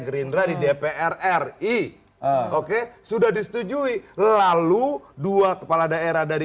gerindra di dpr ri oke sudah disetujui lalu dua kepala daerah dari